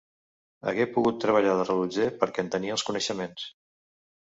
Hagué pogut treballar de rellotger perquè en tenia els coneixements.